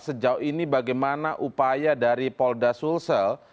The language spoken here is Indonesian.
sejauh ini bagaimana upaya dari polda sulsel